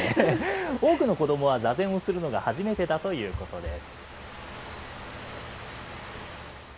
多くの子どもは座禅をするのが初めてだということです。